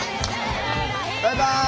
バイバイ。